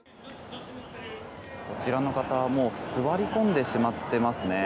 こちらの方はもう座り込んでしまっていますね。